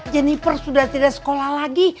jennifer sudah tidak sekolah lagi